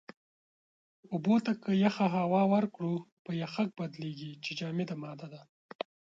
اوبو ته که يخه هوا ورکړو، په يَخٔک بدلېږي چې جامده ماده ده.